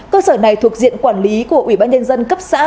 cơ sở này thuộc diện quản lý của ủy ban nhân dân cấp xã